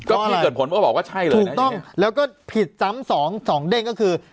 ก็พี่เกิดผลก็บอกว่าใช่เลยถูกต้องแล้วก็ผิดซ้ำสองสองเด้งก็คือ